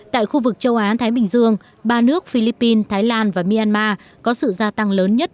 tại khu vực châu á thái bình dương ba nước philippines thái lan và myanmar có sự gia tăng lớn nhất